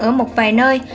ở một vài nơi